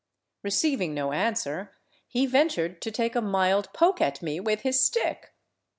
Receiv ing no answer, he ventured to take a mild poke at me with his stick.